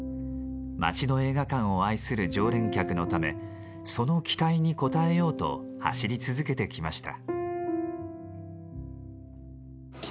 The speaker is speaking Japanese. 街の映画館を愛する常連客のためその期待に応えようと走り続けてきました。